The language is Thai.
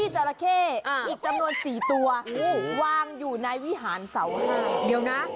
จอระเคอีกจำนวนสี่ตัวว่างอยู่ในวิหารเสาห้า